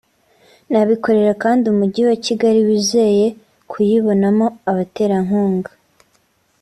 n’abikorera kandi umujyi wa Kigali wizeye kuyibonamo abaterankunga